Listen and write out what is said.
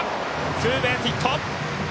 ツーベースヒット！